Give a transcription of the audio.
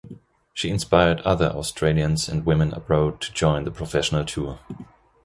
She inspired other Australians and women abroad to join the professional tour.